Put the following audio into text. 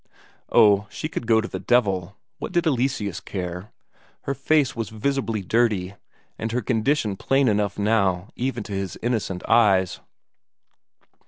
Oh, she could go to the devil, what did Eleseus care; her face was visibly dirty, and her condition plain enough now even to his innocent eyes.